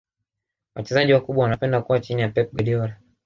wachezaji wakubwa wanapenda kuwa chini ya pep guardiola